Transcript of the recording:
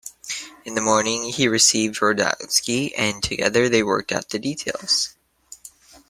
In the morning, he received Rozwadowski and together they worked out the details.